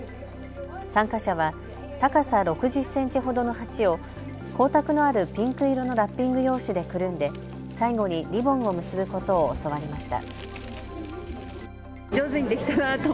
参加者は高さ６０センチほどの鉢を光沢のあるピンク色のラッピング用紙でくるんで最後にリボンを結ぶことを教わりました。